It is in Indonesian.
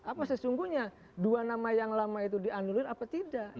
apa sesungguhnya dua nama yang lama itu dianulir apa tidak